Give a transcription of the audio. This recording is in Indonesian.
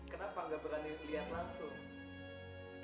kenapa nggak berani lihat langsung